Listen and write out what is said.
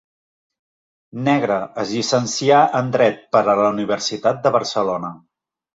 Negre es llicencià en Dret per la Universitat de Barcelona.